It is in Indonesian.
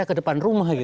satu kilometer mas hadi